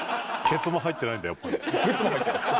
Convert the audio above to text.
ケツも入ってないです。